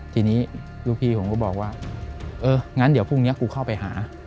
ทีนี้ลูกพี่ผมก็บอกว่าเอองั้นเดี๋ยวพรุ่งนี้กูเข้าไปหา